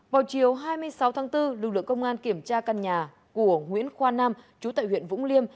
vào chiều hai mươi sáu tháng bốn lực lượng công an kiểm tra căn nhà của nguyễn khoa nam chú tại huyện vũng liêm